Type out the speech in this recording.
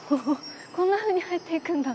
こんなふうに入っていくんだ。